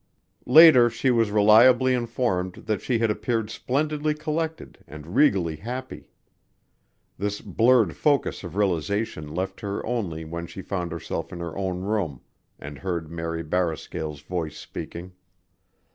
Later she was reliably informed that she had appeared splendidly collected and regally happy. This blurred focus of realization left her only when she found herself in her own room and heard Mary Barrascale's voice speaking.